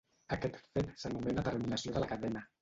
Aquest fet s’anomena terminació de la cadena.